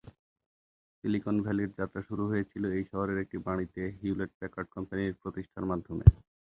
Silicon ভ্যালির যাত্রা শুরু হয়েছিলো এই শহরের একটি বাড়িতে হিউলেট প্যাকার্ড কোম্পানির প্রতিষ্ঠার মাধ্যমে।